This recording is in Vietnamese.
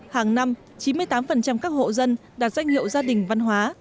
hàng năm chín mươi tám các hộ dân đạt danh hiệu gia đình văn hóa